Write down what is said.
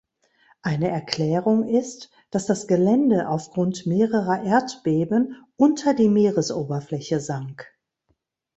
Eine Erklärung ist, dass das Gelände aufgrund mehrerer Erdbeben unter die Meeresoberfläche sank.